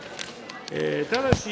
ただし、